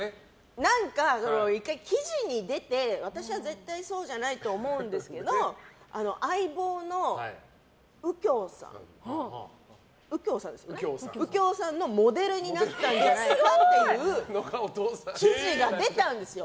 １回、記事に出て私は絶対そうじゃないと思うんですけど「相棒」の右京さんのモデルになったんじゃないかっていう記事が出たんですよ。